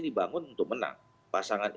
dibangun untuk menang